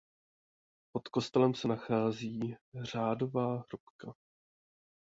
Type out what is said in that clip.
Pod kostelem se nachází řádová hrobka.